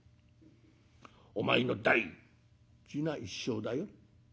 お前の大事な一生だよ。